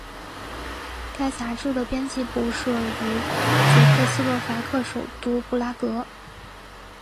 该杂志的编辑部设于捷克斯洛伐克首都布拉格。